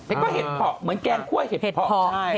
เห็ดหกห่อบเหมือนแกงข้วยเห็ดหกห่อบ